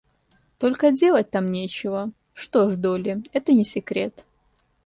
Только делать там нечего — что ж, Долли, это не секрет!